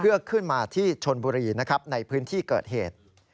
เพื่อขึ้นมาที่ชนบุรีนะครับในพื้นที่เกิดเหตุ